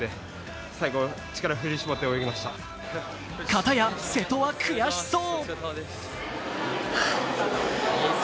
片や瀬戸は悔しそう。